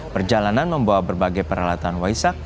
perjalanan membawa berbagai peralatan waisak